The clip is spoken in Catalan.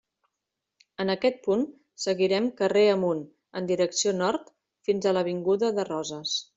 En aquest punt, seguirem carrer amunt, en direcció nord, fins a l'avinguda de Roses.